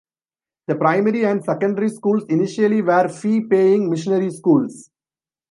The primary and secondary schools initially were fee paying missionary schools.